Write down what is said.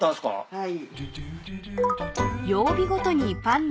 はい。